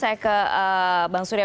saya ke bang surya